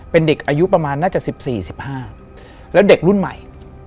เป็นเด็กอายุประมาณน่าจะ๑๔๑๕แล้วเด็กรุ่นใหม่